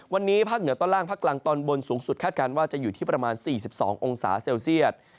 วันนี้ภาคเหนือตอนล่างภาคกลางตอนบนสูงสุดคาดการณ์ว่าจะอยู่ที่ประมาณ๔๒องศาเซลเซียต